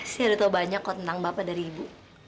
saya udah tau banyak kok tentang bapak dari ibu